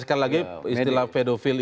sekali lagi istilah pedofil itu